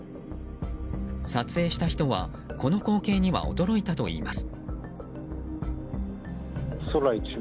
撮影した人は、この光景には驚いたといいます。